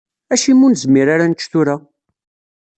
Acimi ur nezmir ara ad nečč tura?